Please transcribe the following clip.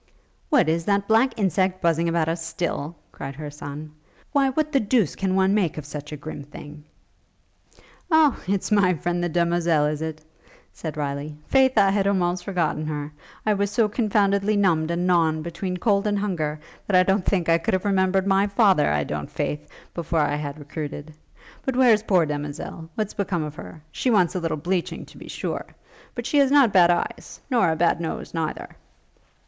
'What, is that black insect buzzing about us still?' cried her son, 'Why what the deuce can one make of such a grim thing?' 'O, it's my friend the demoiselle, is it?' said Riley; 'Faith, I had almost forgotten her. I was so confoundedly numbed and gnawn, between cold and hunger, that I don't think I could have remembered my father, I don't, faith! before I had recruited. But where's poor demoiselle? What's become of her? She wants a little bleaching, to be sure; but she has not bad eyes; nor a bad nose, neither.'